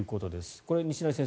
これ西成先生